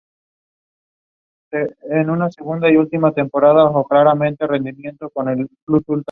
Más tarde fue nombrado por la ciudad suiza de Lausana.